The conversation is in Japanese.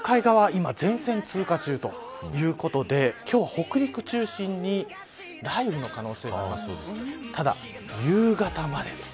今、前線通過中ということで今日は北陸中心に雷雨の可能性があります。